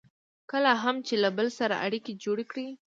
کله هم چې له بل سره اړیکې جوړې کړئ.